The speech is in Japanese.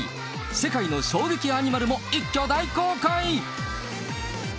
世界の衝撃アニマルも一挙大公開。